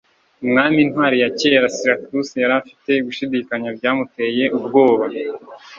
umwami intwari ya kera ya syracuse yari afite gushidikanya byamuteye ubwoba